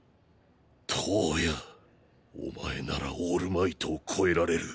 燈矢おまえならオールマイトを超えられる。